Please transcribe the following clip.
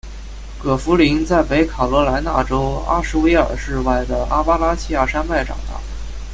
葛福临在北卡罗来纳州阿什维尔市外的阿巴拉契亚山脉长大。